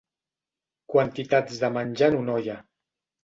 Quantitats de menjar en una olla.